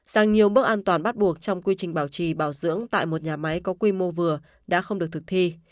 sang nhiều bữa an toàn bắt buộc trong quy trình bảo trì bảo dưỡng tại một nhà máy có quy mô vừa đã không được thực thi